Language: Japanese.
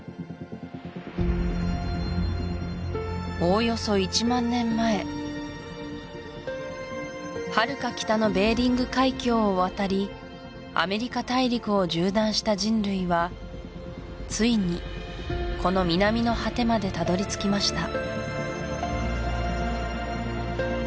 おおよそ１万年前はるか北のベーリング海峡を渡りアメリカ大陸を縦断した人類はついにこの南の果てまでたどり着きました